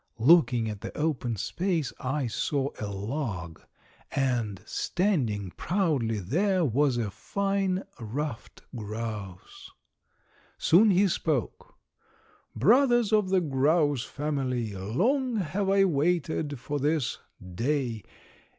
Looking at the open space I saw a log and standing proudly there was a fine ruffed grouse. Soon he spoke: "Brothers of the grouse family, long have I waited for this day.